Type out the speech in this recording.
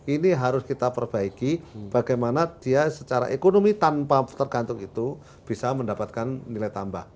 ini harus kita perbaiki bagaimana dia secara ekonomi tanpa tergantung itu bisa mendapatkan nilai tambah